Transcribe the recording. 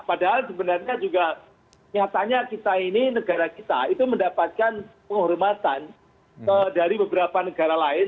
padahal sebenarnya juga nyatanya kita ini negara kita itu mendapatkan penghormatan dari beberapa negara lain